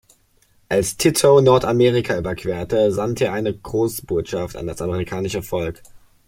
Als Titow Nordamerika überquerte, sandte er eine Grußbotschaft an das amerikanische Volk.